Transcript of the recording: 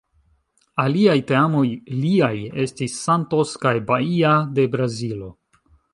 Aliaj teamoj liaj estis Santos kaj Bahia de Brazilo.